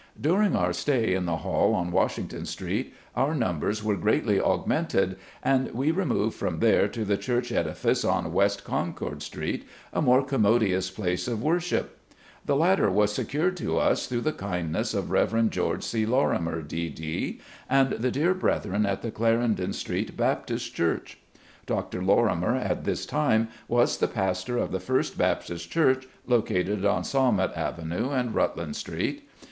During our stay in the hall on Washington Street our numbers were greatly augmented, and we removed from there to the church edifice on West Concord Street, a more commodious place of worship. The latter was secured to us through the kindness of Rev. Geo. C. Lorimer, D. D., and the 112 SLAVE CABIN TO PULPIT. dear brethren at the Clarendon Street Baptist Church. Dr. Lorimer, at this time, was the pastor of the First Baptist Church, located on Shawmut Avenue and Rutland Street.